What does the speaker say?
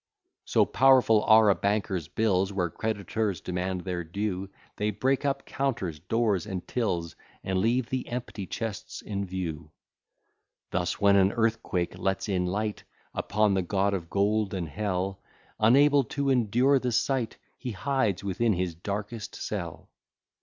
So powerful are a banker's bills, Where creditors demand their due; They break up counters, doors, and tills, And leave the empty chests in view. Thus when an earthquake lets in light Upon the god of gold and hell, Unable to endure the sight, He hides within his darkest cell.